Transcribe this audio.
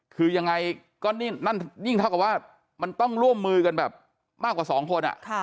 คือยังไงก็นั่นยิ่งเท่ากับว่ามันต้องร่วมมือกันแบบมากกว่า๒คน